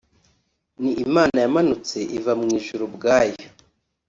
ni Imana yamanutse iva mu ijuru ubwayo